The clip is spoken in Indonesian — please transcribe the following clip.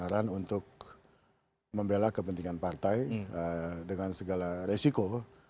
membela kebenaran untuk membela kepentingan partai dengan segala resiko